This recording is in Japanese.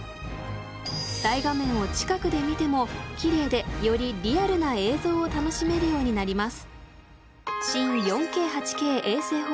大画面を近くで見てもきれいでよりリアルな映像を楽しめるようになります。